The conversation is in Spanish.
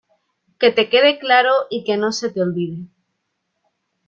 que te quede claro y que no se te olvide.